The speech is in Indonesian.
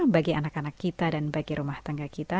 bagi anak anak kita dan bagi rumah tangga kita